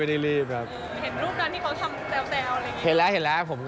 เห็นรูปนั้นที่เขาทำแซวอะไรอย่างนี้